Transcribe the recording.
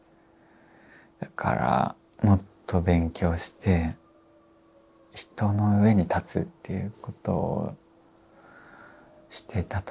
だからもっと勉強して人の上に立つっていうことをしてたと思います。